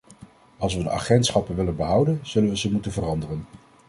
Als we de agentschappen willen behouden, zullen we ze moeten veranderen.